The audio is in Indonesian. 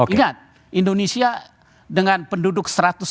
ingat indonesia dengan penduduk seratus